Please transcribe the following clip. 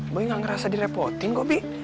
boy nggak ngerasa di repotin kok bi